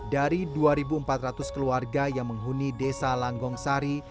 dari dua empat ratus keluarga yang menghuni desa langgong sari